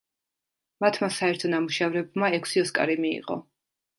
მათმა საერთო ნამუშევრებმა ექვსი ოსკარი მიიღო.